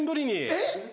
えっ？